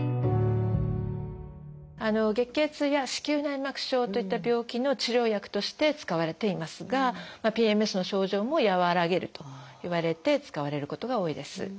月経痛や子宮内膜症といった病気の治療薬として使われていますがＰＭＳの症状も和らげるといわれて使われることが多いです。